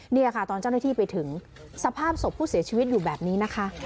นี่ค่ะตอนเจ้าหน้าที่ไปถึงสภาพศพผู้เสียชีวิตอยู่แบบนี้นะคะ